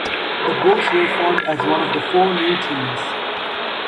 The Bulls were formed as one of the four new teams.